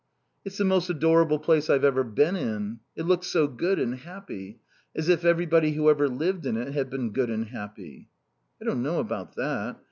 "It's the most adorable place I've ever been in. It looks so good and happy. As if everybody who ever lived in it had been good and happy." "I don't know about that.